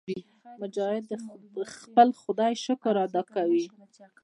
مجاهد د خپل خدای شکر ادا کوي.